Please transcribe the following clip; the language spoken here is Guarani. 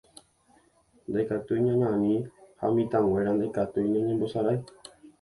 Ndaikatúi ñañani ha mitãnguéra ndaikatúi ñañembosarái.